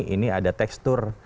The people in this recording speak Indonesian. ini ada tekstur